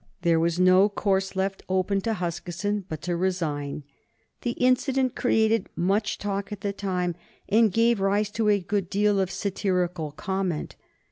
There was no course left open to Huskisson but to resign. The incident created much talk at the time, and gave rise to a good deal of satirical comment.